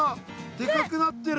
でかくなってる！